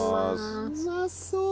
うまそう。